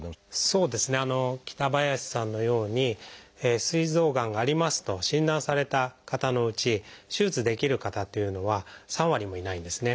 そうですね北林さんのようにすい臓がんがありますと診断された方のうち手術できる方っていうのは３割もいないんですね。